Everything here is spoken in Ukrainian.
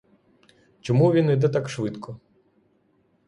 Чому він іде так швидко?